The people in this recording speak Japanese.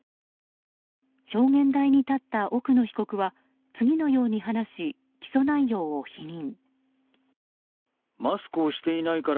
証言台に立った奥野被告は次のように話し、起訴内容を否認。